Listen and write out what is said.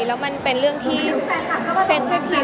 แล้วมันเป็นเรื่องที่เซ็ตเซ็ตีน